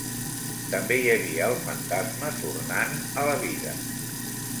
També hi havia el fantasma tornant a la vida.